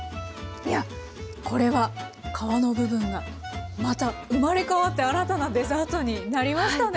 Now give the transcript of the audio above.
いやこれは皮の部分がまた生まれ変わって新たなデザートになりましたね。